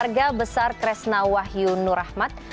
keluarga besar kresna wahyu nurahmat